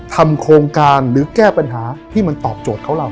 ทำโครงการหรือแก้ปัญหาที่มันตอบโจทย์เขาเรา